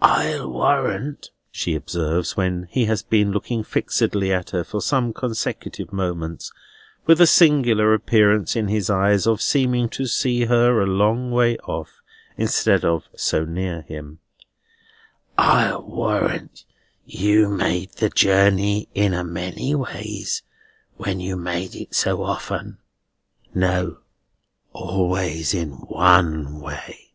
"I'll warrant," she observes, when he has been looking fixedly at her for some consecutive moments, with a singular appearance in his eyes of seeming to see her a long way off, instead of so near him: "I'll warrant you made the journey in a many ways, when you made it so often?" "No, always in one way."